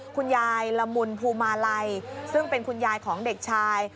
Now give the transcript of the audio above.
คุณยายละมุนภูมาลัยซึ่งเป็นคุณยายของเด็กชาย